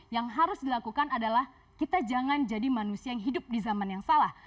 yang harus dilakukan adalah kita jangan jadi manusia yang hidup di zaman yang salah